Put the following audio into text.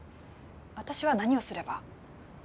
私は何をすれば？